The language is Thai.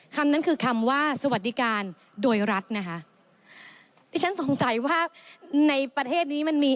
คำนั้นคือคำว่าสวัสดิการโดยรัฐนะคะที่ฉันสงสัยว่าในประเทศนี้มันมี